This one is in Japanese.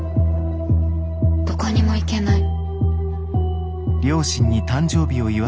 どこにも行けない。